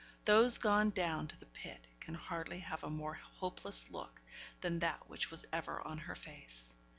Those gone down to the pit can hardly have a more hopeless look than that which was ever on her face.